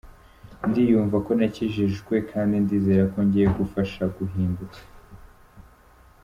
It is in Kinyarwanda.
Ndiyumva konakijijwe kandi ndizera ko ngiye gufasha guhinduka.